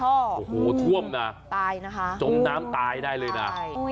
โอ้โหท่วมนะตายนะคะจมน้ำตายได้เลยนะใช่